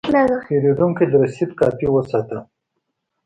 پیرودونکی د رسید کاپي وساته.